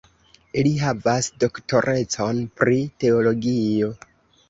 Li havas doktorecon pri teologio.